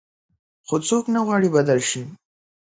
خو څوک نه غواړي بدل شي.